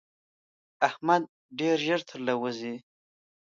احمد ډېر ژر تر له وزي.